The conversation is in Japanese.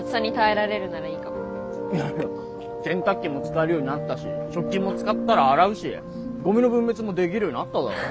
いや洗濯機も使えるようになったし食器も使ったら洗うしゴミの分別もできるようになっただろ。